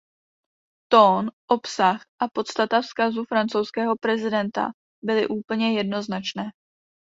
Tón, obsah a podstata vzkazu francouzského prezidenta byly úplně jednoznačné.